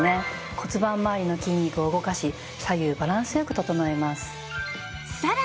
骨盤まわりの筋肉を動かし左右バランスよく整えます。